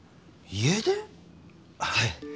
はい。